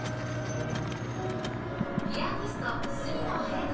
ピアニスト角野隼斗さん